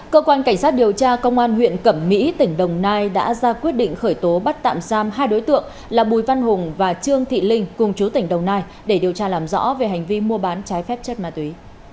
cơ quan cảnh sát điều tra công an huyện cẩm mỹ tỉnh đồng nai đã ra quyết định khởi tố bắt tạm giam hai đối tượng là bùi văn hùng và trương thị linh cùng chú tỉnh đồng nai để điều tra làm rõ về hành vi mua bán trái phép chất ma túy